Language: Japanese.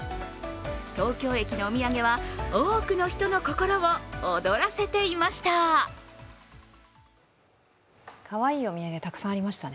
東京駅のお土産は多くの人の心を踊らせていました。